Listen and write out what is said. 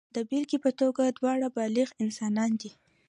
د بېلګې په توګه دواړه بالغ انسانان دي.